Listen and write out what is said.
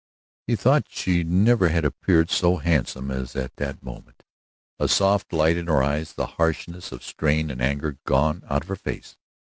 He thought she never had appeared so handsome as at that moment, a soft light in her eyes, the harshness of strain and anger gone out of her face.